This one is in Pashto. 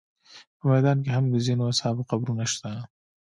په میدان کې هم د ځینو اصحابو قبرونه شته.